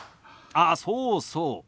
あっそうそう。